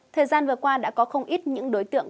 thời gian vừa qua đã có không ít những đối tượng